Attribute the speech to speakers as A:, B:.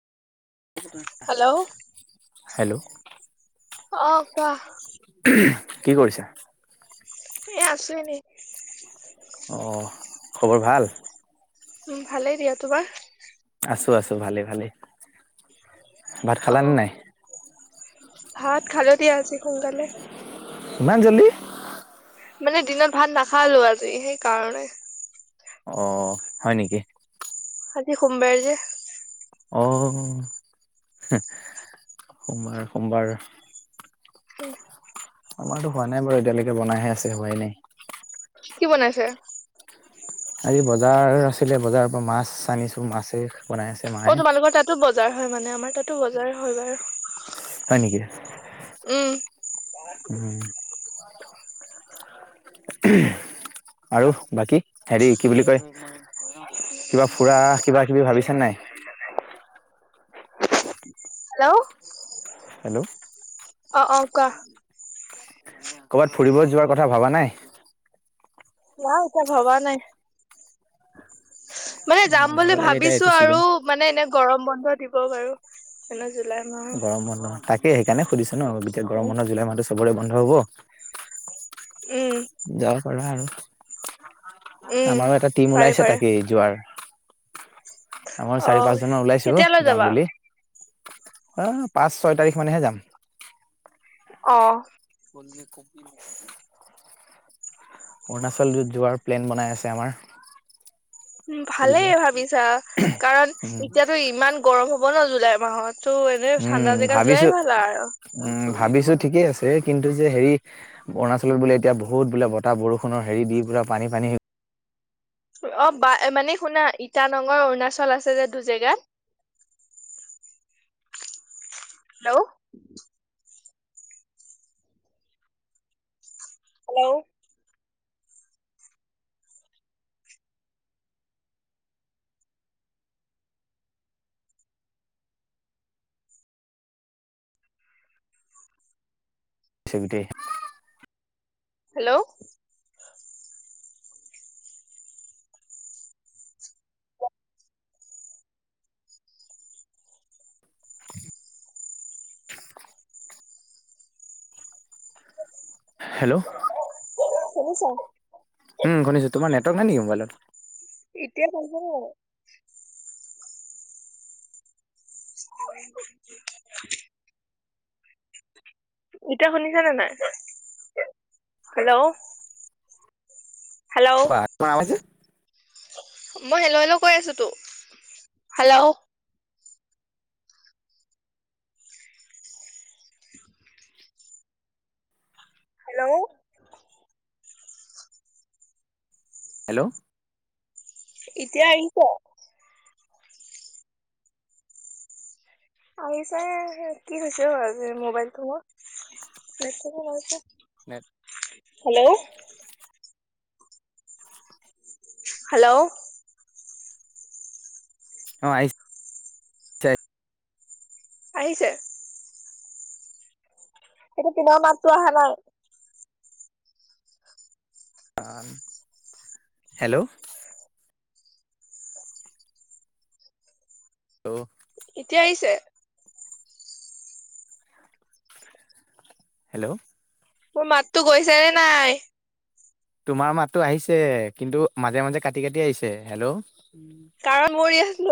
A: Hello
B: hello.
A: অ কোৱা
B: উমম কি কৰিছা?
A: এ আছো এনেই।
B: অ', খবৰ ভাল?
A: উম, ভালেই দিয়া, তোমাৰ?
B: আছো-আছো, ভালে-ভালে, ভাত
A: অ
B: খালানে নাই?
A: ভাত খালোঁ দিয়া আজি সোনকালে।
B: ইমান জলদি।
A: মানে দিনত ভাত নাখালোঁ আজি, সেইকাৰণে।
B: অ', হয় নেকি?
A: আজি সোমবাৰ যে।
B: অ', সোমবাৰ, সোমবাৰ।
A: হুম।
B: আমাৰটো হোৱা নাই বাৰু এতিয়ালৈকে, বনাই হে আছে, হোৱাই নাই।
A: কি বনাইছে?
B: আজি বজাৰ আছিলে, বজাৰৰ পৰা মাছ আনিছোঁ, মাছে। বনাই আছে মায়ে।
A: অ', তোমালোকৰ তাতো বজাৰ হয় মানে, আমাৰ তাতো বজাৰ হয় বাৰু।
B: ইচ্ছ, হয় নেকি,
A: উম
B: উম। [inaudible] উম, আৰু বাকী হেৰি কি বুলি কয়। কিবা ফুৰা, কিবা কিবি ভাবিছান নাই?
A: [inaudible] হেল্ল'?
B: হেল্ল'?
A: অ', অ', কোৱা।
B: ক'ৰবাত ফুৰিব যোৱাৰ কথা ভাবা নাই?
A: নাই এতিয়া ভবা নাই, মানে যাম
B: অ', যাব
A: বুলি
B: লাগে এতিয়া এইটো
A: ভাবিছোঁ, আৰু
B: ছিজন।
A: মানে এনে গৰম বন্ধ দিব বাৰু, এনেও জুলাই মাহত।
B: গৰম বন্ধ, তাকে সেইকাৰণে সুধিছোঁ ন' এতিয়া গৰম
A: উম
B: বন্ধ জুলাই মাহটো চবৰে বন্ধ হ'ব।
A: উম।
B: যাব পাৰা আৰু,
A: উম
B: আমাৰো এটা টিম
A: পাৰে
B: ওলাইছে
A: পাৰে
B: তাকে যোৱাৰ। আমাৰ
A: অ
B: চাৰি পাঁচজন ওলাইছোঁ,
A: কেতিয়ালৈ যাবা
B: যাম বুলি। আ, পাঁচ ছয় তাৰিখ মানেহে যাম।
A: অ'।
B: [unintelligible] অৰুণাচলত যোৱাৰ প্লেন বনাই আছে আমাৰ।
A: উম,
B: ফুৰিব
A: ভালেই ভাবিছা, কাৰণ
B: উম
A: এতিয়াতো ইমান গৰম হব ন', জুলাই মাহত। ত' এনেই
B: উম
A: ঠাণ্ডা জেগা
B: ভাবিছো
A: যোৱাই ভাল আৰু।
B: উম, ভাবিছো ঠিকেই আছে, কিন্তু যে হেৰি অৰুণাচলত বোলে এতিয়া বহুত বোলে বাহ বৰষুণ হেৰি দি পৰা পানী-পানী
A: অ', বা, মানে শুনা ইটানগৰ অৰুণাচল আছে যে দু জেগাত। হেল্ল'? হেল্ল'?
B: [unintelligible]
A: হেল্ল'?
B: [unintelligible] হেল্ল'?
A: শুনিছা?
B: উম, শুনিছো, তোমাৰ নেটৱৰ্ক নাই নেকি মোবাইলত?
A: এতিয়া শুনিছে নে নাই? [unintelligible] এতিয়া শুনিছা নে নাই, হেল্ল'। হেল্ল'।
B: কোৱা তোমাৰ আৱাজ যে।
A: মই হেল্ল', হেল্ল'কৈ আছো তো, হেল্ল'। হেল্ল'।
B: হেল্ল'।
A: এতিয়া আহিছে। আহিছে, কি হৈছে মোবাইলটো মোৰ, নেটৱকেই নাই যে।
B: Net
A: hello. হেল্ল'।
B: অ', আহিছে
A: আহিছে। এতিয়া তোমাৰ মাততো অহা নাই।
B: আ, হেল্ল'। লো
A: এতিয়া আহিছে।
B: হেল্ল'।
A: মোৰ মাততো গৈছে নে নাই।
B: তোমাৰ মাতো আহিছে, কিন্তু মাজে মাজে কাটি কাটি আহিছে, হেল্ল'।
A: কাৰণ মোৰ ইয়াত